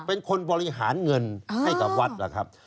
เป็นคนบริหารเงินให้กับวัดล่ะครับ